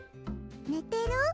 ねてる？